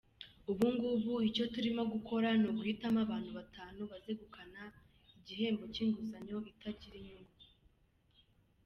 Ubungubu icyo turimo gukora ni uguhitamo abantu batanu bazegukana igihembo cy’inguzanyo itagira inyungu.